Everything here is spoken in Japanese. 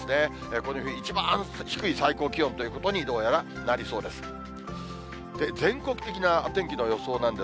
この冬一番低い最高気温ということに、どうやらなりそうです。